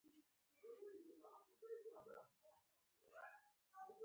هیچا یې نه منله؛ ځان په بدۍ ککړوي.